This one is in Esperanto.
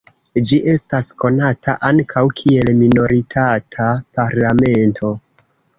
Ĝi estas konata ankaŭ kiel minoritata parlamento.